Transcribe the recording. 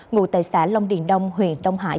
ngụ tài xã long điền đông huyện đông hải